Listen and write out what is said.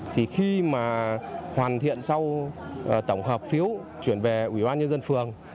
thì khi mà hoàn thiện sau tổng hợp phiếu chuyển về ủy ban nhân dân phường